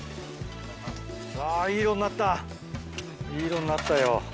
わぁいい色になったいい色になったよ。